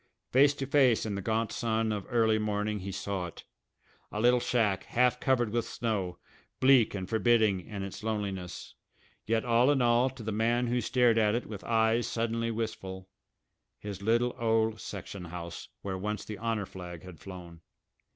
Face to face, in the gaunt sun of early morning he saw it a little shack, half covered with snow, bleak and forbidding in its loneliness, yet all in all to the man who stared at it with eyes suddenly wistful his little old section house, where once the honour flag had flown.